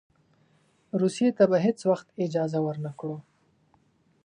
روسیې ته به هېڅ وخت اجازه ورنه کړو.